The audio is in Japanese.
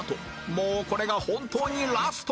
もうこれが本当にラスト！